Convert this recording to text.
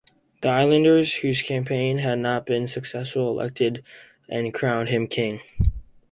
The islanders, whose campaign had not been successful, elected and crowned him king.